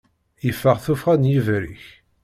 Yeffeɣ tuffɣa n yibarriq.